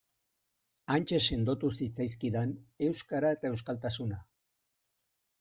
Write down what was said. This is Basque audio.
Hantxe sendotu zitzaizkidan euskara eta euskaltasuna.